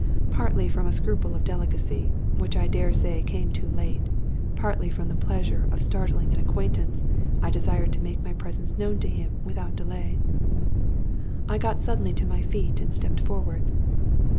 Partly from a scruple of delicacy — which I dare say came too late — ^partly from the pleasure of startling an acquaint ance, I desired to make my presence known to him without delay. I got suddenly to my feet, and stepped forward.